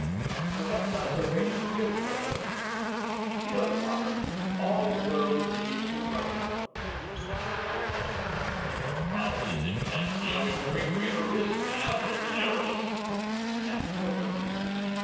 perhaps not so great as you think, Porthos; you know the proverb, 'All roads lead to Rome.'" "But how is it that we are incurring greater risks than Athos and Aramis?" asked Porthos.